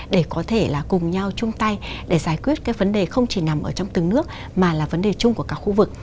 để có thể là cùng nhau chung tay để giải quyết cái vấn đề không chỉ nằm ở trong từng nước mà là vấn đề chung của cả khu vực